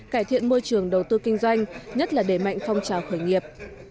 cải thiện môi trường đầu tư kinh doanh nhất là đẩy mạnh phong trào khởi nghiệp